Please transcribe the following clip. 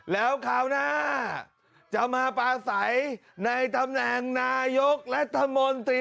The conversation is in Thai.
แล้วคราวหน้าจะมาปลาใสในตำแหน่งนายกรัฐมนตรี